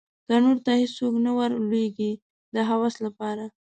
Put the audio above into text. تنور ته هېڅوک نه ور لویږې د هوس لپاره